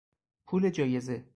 پول جایزه